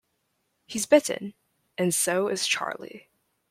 He’s bitten — and so is Charlie.